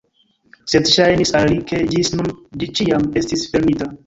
Sed ŝajnis al li, ke ĝis nun ĝi ĉiam estis fermita.